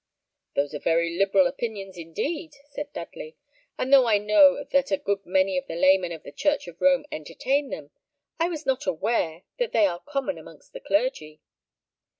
"Those are very liberal opinions, indeed," said Dudley; "and though I know that a good many of the laymen of the church of Rome entertain them, I was not aware that they are common amongst the clergy."